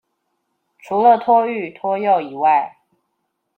除了托育、托幼以外